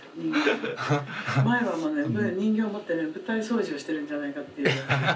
「前はもうね人形を持ってね舞台掃除をしてるんじゃないかっていう」。